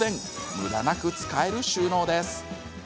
むだなく使える収納です。